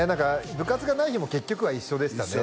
部活がない日も結局は一緒でしたね